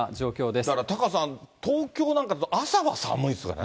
だからタカさん、東京なんか朝は寒いですよね。